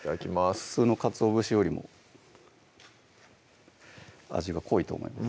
普通のかつお節よりも味が濃いと思います